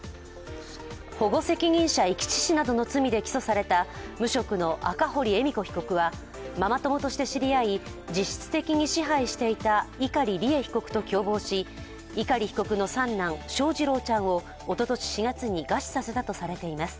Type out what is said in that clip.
保護責任者遺棄致死などの罪で起訴された無職の赤堀恵美子被告は、ママ友として知り合い、実質的に支配していた碇利恵被告と共謀し、碇被告の三男、翔士郎ちゃんをおととし４月に餓死させたとされています。